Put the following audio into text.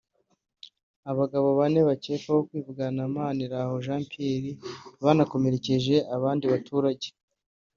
Abagabo bane bakekwaho kwivugana Maniraho Jean Pierre banakanakomerekeje abandi baturage